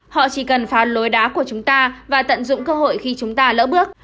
họ chỉ cần phán lối đá của chúng ta và tận dụng cơ hội khi chúng ta lỡ bước